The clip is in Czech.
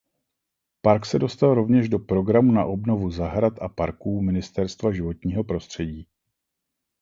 Park se dostal rovněž do "Programu na obnovu zahrad a parků" Ministerstva životního prostředí.